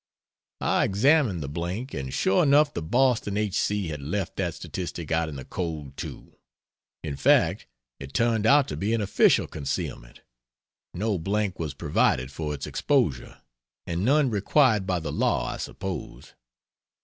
I examined the blank, and sure enough the Boston h. c. had left that statistic out in the cold, too. In fact it turned out to be an official concealment no blank was provided for its exposure. And none required by the law, I suppose.